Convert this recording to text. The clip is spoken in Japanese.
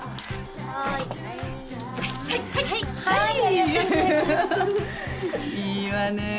いいわね。